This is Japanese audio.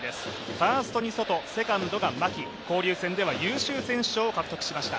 ファーストにソト、セカンドが牧、交流戦では優秀選手賞を獲得しました。